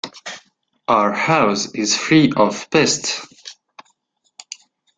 Our house is free of pests.